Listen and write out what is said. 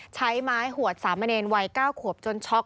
ใช้ม้าให้หวดสามเมนแนนไว้๙ขวบจนช็อก